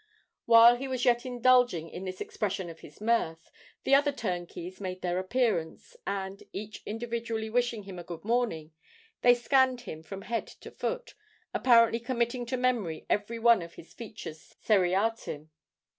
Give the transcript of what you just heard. While he was yet indulging in this expression of his mirth, the other turnkeys made their appearance, and, each individually wishing him a "good morning," they scanned him from head to foot—apparently committing to memory every one of his features seriatim.